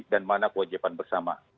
dan mana kewajiban bersama